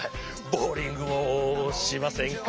「ボウリングをしませんか」